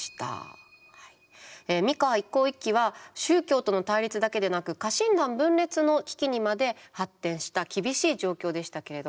三河一向一揆は宗教との対立だけでなく家臣団分裂の危機にまで発展した厳しい状況でしたけれど。